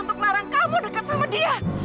untuk larang kamu deket sama dia